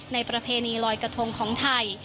ประเพณีลอยกระทงของไทย